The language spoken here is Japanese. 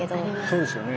そうですよね。